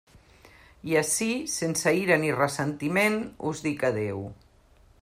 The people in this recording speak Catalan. I ací, sense ira ni ressentiment, us dic adéu.